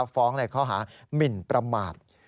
ฟ้องเลยเขาหามินประมาท